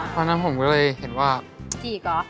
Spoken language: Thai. พอนั้นผมก็เลยเห็นว่าจริงเหรอ